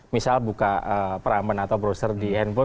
misal buka perampan atau browser di handphone